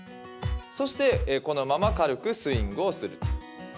そしてこのまま軽くスイングをする。